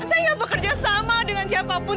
saya gak bekerja sama dengan siapapun